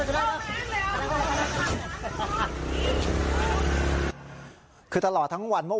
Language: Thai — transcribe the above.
รักแท้ทุกคนร้านของรักแท้ท